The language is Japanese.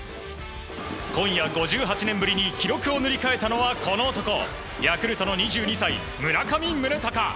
今夜５８年ぶりに記録を塗り替えたのは、この男ヤクルトの２２歳、村上宗隆。